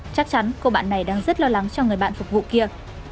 chắc chắn cô bạn này đang rất lo lắng cho người bạn phục vụ kia